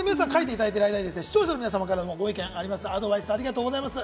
視聴者の皆さまからの意見、アドバイスありがとうございます。